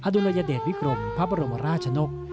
ดุลยเดชวิกรมพระบรมราชนก